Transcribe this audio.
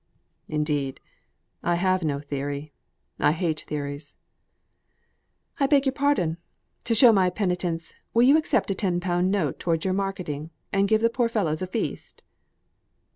"Indeed I have no theory; I hate theories." "I beg your pardon. To show my penitence, will you accept a ten pound note towards your marketing, and give the poor fellows a feast?"